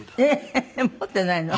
ええー持ってないの？